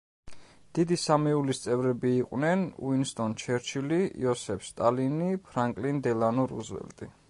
დიდი სამეულის წევრები იყვნენ: უინსტონ ჩერჩილი, იოსებ სტალინი, ფრანკლინ დელანო რუზველტი.